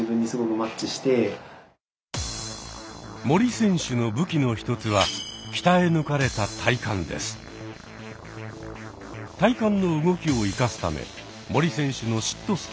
森選手の武器の一つは体幹の動きを生かすため森選手のシット